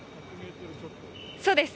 そうです。